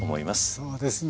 そうですね。